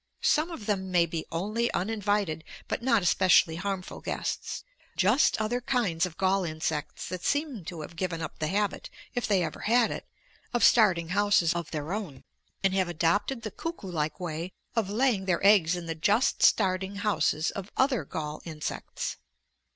Some of them may be only uninvited but not especially harmful guests, just other kinds of gall insects that seem to have given up the habit if they ever had it of starting houses of their own, and have adopted the cuckoo like way of laying their eggs in the just starting houses of other gall insects.